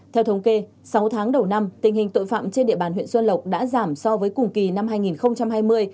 theo thống kê sáu tháng đầu năm tình hình tội phạm trên địa bàn huyện xuân lộc đã giảm so với cùng kỳ năm hai nghìn hai mươi